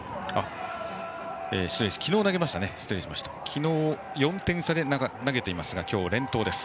昨日、４点差で投げていますので今日、連投です。